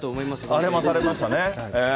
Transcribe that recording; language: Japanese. アレまされましたね。